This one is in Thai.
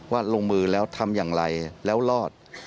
ลงมือแล้วทำอย่างไรแล้วรอด